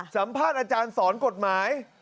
สัมภาษณ์อาจารย์สอนกฎหมาย